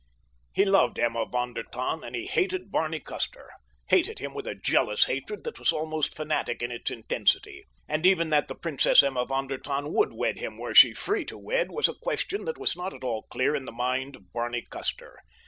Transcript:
He loved Emma von der Tann and he hated Barney Custer—hated him with a jealous hatred that was almost fanatic in its intensity. And even that the Princess Emma von der Tann would wed him were she free to wed was a question that was not at all clear in the mind of Barney Custer.